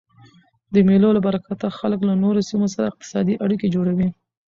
د مېلو له برکته خلک له نورو سیمو سره اقتصادي اړیکي جوړوي.